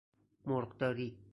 مرغ داری